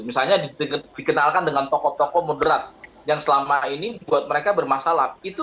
misalnya dikenalkan dengan tokoh tokoh moderat yang selama ini buat mereka bermasalah